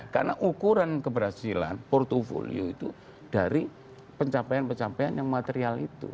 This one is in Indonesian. karena ukuran keberhasilan portofolio itu dari pencapaian pencapaian yang material itu